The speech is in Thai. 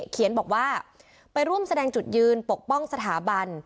เขียนบอกว่าไปร่วมแสดงจุดยืนปกป้องสถาบัน